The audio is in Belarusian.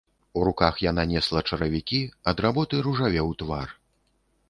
У руках яна несла чаравікі, ад работы ружавеў твар.